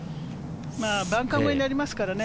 バンカー越えになりますからね。